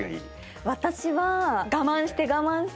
私は。